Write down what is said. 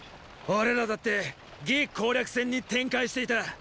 俺らだって魏攻略戦に展開していた。